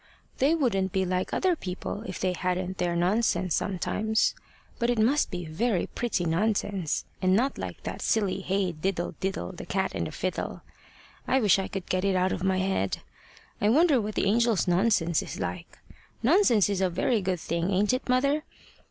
"They wouldn't be like other people if they hadn't their nonsense sometimes. But it must be very pretty nonsense, and not like that silly hey diddle diddle! the cat and the fiddle! I wish I could get it out of my head. I wonder what the angels' nonsense is like. Nonsense is a very good thing, ain't it, mother?